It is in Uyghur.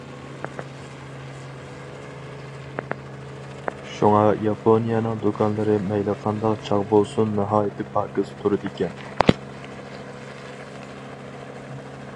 شۇڭا ياپونىيەنىڭ دۇكانلىرى مەيلى قانداق چاغ بولسۇن ناھايىتى پاكىز تۇرىدىكەن.